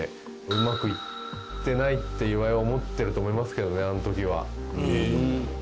うまくいってないって岩井は思ってると思いますけどねあの時は。